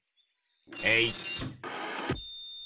えい！